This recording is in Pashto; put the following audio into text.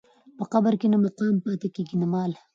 په قبر کې نه مقام پاتې کېږي نه مال.